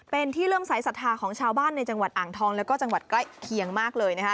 เป็นที่เริ่มสายศรัทธาของชาวบ้านในจังหวัดอ่างทองแล้วก็จังหวัดใกล้เคียงมากเลยนะคะ